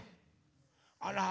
あら？